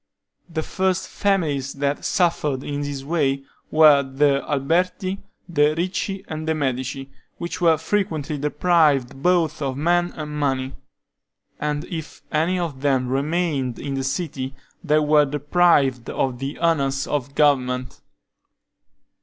The first families that suffered in this way were the Alberti, the Ricci, and the Medici, which were frequently deprived both of men and money; and if any of them remained in the city, they were deprived of the honors of government.